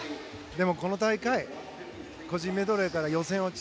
でも、この大会個人メドレーから予選落ち。